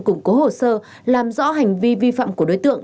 củng cố hồ sơ làm rõ hành vi vi phạm của đối tượng